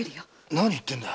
何言ってんだ！